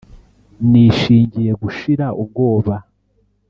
nishingiye gushira ubwoba